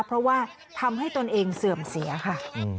เพราะว่าทำให้ตนเองเสื่อมเสียค่ะ